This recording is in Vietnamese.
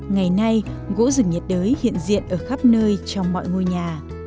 ngày nay gỗ rừng nhiệt đới hiện diện ở khắp nơi trong mọi ngôi nhà